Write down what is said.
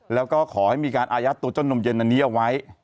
แล้วก็ขอให้มีการอายัดตัวเจ้านมเย็นอันนี้เอาไว้